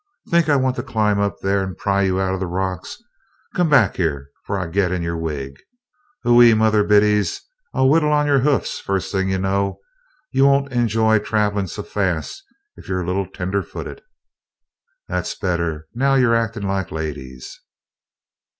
Think I want to climb up there and pry you out o' the rocks? Come back here 'fore I git in your wig. Ouhee! Mother Biddies! I'll whittle on your hoofs, first thing you know. You won't enjoy traveling' so fast, if you're a little tender footed. "That's better now you're actin' like ladies!"